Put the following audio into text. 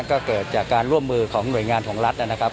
ก็เกิดจากการร่วมมือของหน่วยงานของรัฐนะครับ